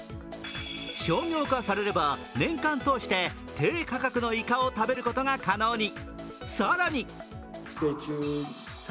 商業化されれば年間を通して、低価格のイカを食べることが可能に。